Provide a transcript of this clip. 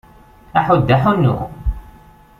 Aḥuddu, aḥunnu!